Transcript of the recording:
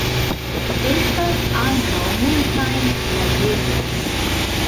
Estas ankaŭ multajn lagetoj.